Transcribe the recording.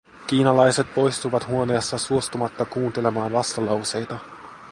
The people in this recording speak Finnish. Kiinalaiset poistuivat huoneesta suostumatta kuuntelemaan vastalauseita.